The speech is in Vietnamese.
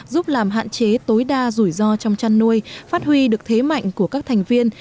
giúp làm hạn chế tối đa rủi ro trong chăn nuôi phát huy được thế mạnh của các thành viên